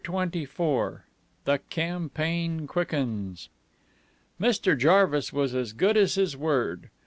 CHAPTER XXIV THE CAMPAIGN QUICKENS Mr. Jarvis was as good as his word.